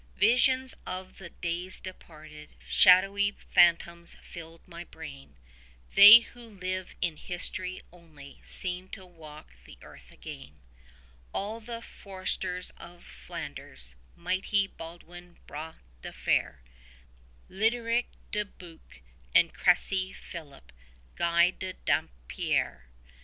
16 Visions of the days departed, shadowy phantoms filled my brain; They who live in history only seemed to walk the earth again; All the Foresters of Flanders, mighty Baldwin Bras de Fer, Lyderick du Bucq and Cressy Philip, Guy de Dampierre.